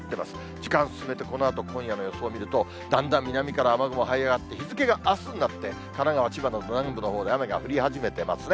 時間進めてこのあと今夜の予想を見ると、だんだん南から雨雲がはい上がって、あすになって、神奈川、千葉の南部のほうで雨が降り始めていますね。